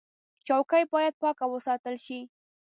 چوکۍ باید پاکه وساتل شي.